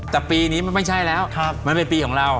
แต่ปีนี้มันไม่ใช่แล้วมันเป็นปีของเรา